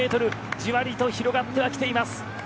じわりと広がってはきています。